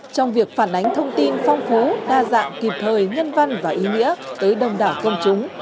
trong việc phản ánh thông tin phong phú đa dạng kịp thời nhân văn và ý nghĩa tới đông đảo công chúng